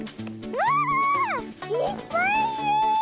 うわいっぱいいる！